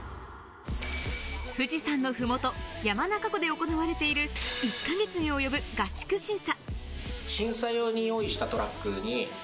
富士山の麓・山中湖で行われている、１か月に及ぶ合宿審査。